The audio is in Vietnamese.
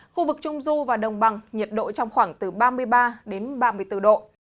khu vực trung du và đông băng nhiệt độ trong khoảng từ ba mươi ba ba mươi bốn độ